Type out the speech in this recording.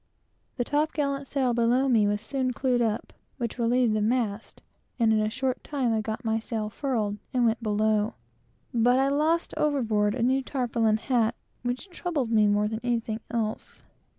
The top gallant sail below me was soon clewed up, which relieved the mast, and in a short time I got my sail furled, and went below; but I lost overboard a new tarpaulin hat, which troubled me more than anything else.